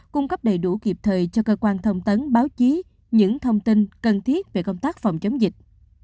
cung cấp đầy đủ kịp thời cho cơ quan thông tấn báo chí những thông tin cần thiết về công tác phòng chống dịch